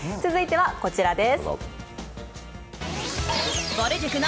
続いてはこちらです。